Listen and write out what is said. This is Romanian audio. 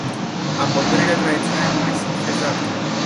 Abordările tradiționale nu mai sunt fezabile.